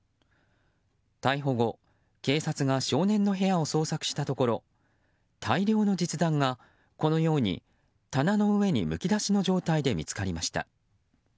逮捕後、警察が少年の部屋を捜索したところ大量の実弾が、このように棚の上にむき出しの状態で見つかりました。